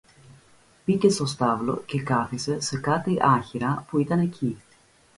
Μπήκε στο στάβλο, και κάθησε σε κάτι άχυρα που ήταν εκεί